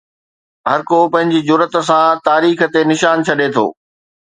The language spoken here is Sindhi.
هر ڪو پنهنجي جرئت سان تاريخ تي نشان ڇڏي ٿو.